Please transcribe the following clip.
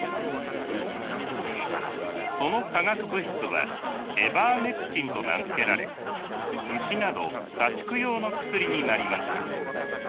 その化学物質はエバーメクチンと名付けられ牛など家畜用の薬になりました。